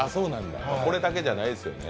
これだけじゃないですよね。